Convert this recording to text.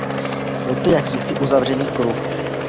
Byl to jakýsi uzavřený kruh.